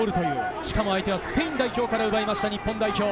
しかも相手はスペイン代表から奪いました日本代表。